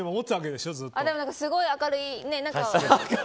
でも、すごい明るい。